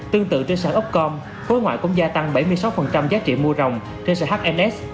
tương tự trên sàn upcom khối ngoại cũng gia tăng bảy mươi sáu giá trị mua rồng trên sàn hns